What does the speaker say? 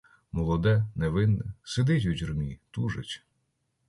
Молоде, невинне, сидить у тюрмі, тужить.